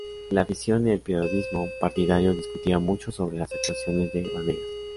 La afición y el periodismo partidario discutía mucho sobre las actuaciones de Banegas.